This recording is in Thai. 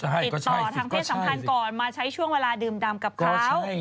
ติดต่อทางเพศสัมพันธ์ก่อนมาใช้ช่วงเวลาดื่มดำกับเขา